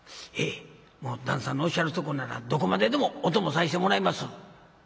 「へえ旦さんのおっしゃるとこならどこまででもお供させてもらいます」。